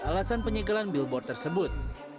alasan penyegelan billboard tersebut